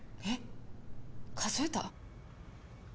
えっ数えた？